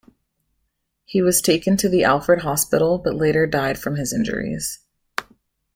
He was taken to the Alfred Hospital but later died from his injuries.